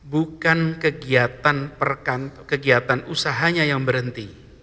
bukan kegiatan usahanya yang berhenti